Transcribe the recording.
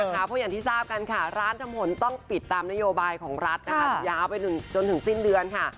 เพราะอย่างที่ทราบกันค่ะร้านทำผลต้องปิดตามนโยบายของรัฐนะคะยาวไปจนถึงสิ้นเดือนค่ะ